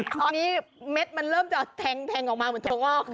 ตอนนี้เม็ดมันเริ่มจะแทงออกมาเหมือนถั่วงอก